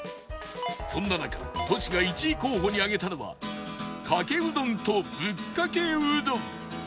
そんな中トシが１位候補に挙げたのはかけうどんとぶっかけうどん